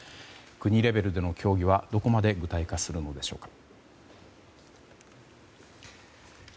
国レベルでの協議はどこまで具体化するのでしょうか。